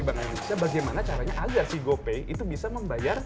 bank indonesia bagaimana caranya agar si gopay itu bisa membayar